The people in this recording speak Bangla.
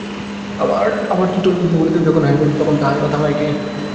আবার বলিতে বলিতে যখন হাসি পাইত তখন তাহাই বা থামায় কে।